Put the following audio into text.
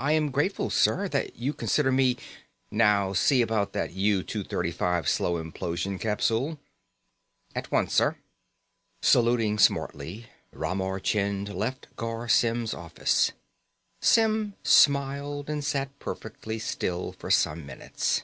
"I am grateful, sir, that you consider me " "Now, see about that U 235 slow implosion capsule." "At once, sir." Saluting smartly, Ramar Chind left Garr Symm's office. Symm smiled and sat perfectly still for some minutes.